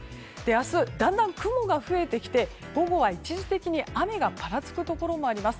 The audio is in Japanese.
明日、だんだん雲が増えてきて午後は一時的に雨がぱらつくところもあります。